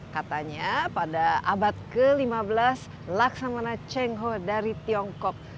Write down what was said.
katanya pada abad ke lima belas laksamana cheng ho dari tiongkok